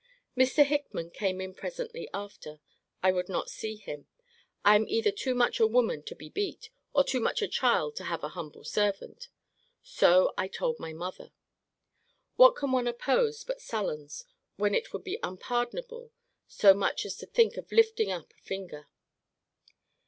Mr. Hickman came in presently after. I would not see him. I am either too much a woman to be beat, or too much a child to have an humble servant so I told my mother. What can one oppose but sullens, when it would be unpardonable so much as to think of lifting up a finger?